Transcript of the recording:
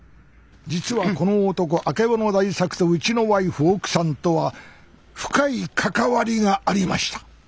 実はこの男曙大作とうちのワイフ奥さんとは深い関わりがありました